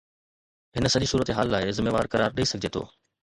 هن سڄي صورتحال لاء ذميوار قرار ڏئي سگهجي ٿو.